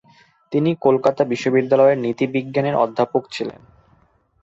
তিনি কলকাতা বিশ্ববিদ্যালয়ের নীতিবিজ্ঞানের অধ্যাপক ছিলেন।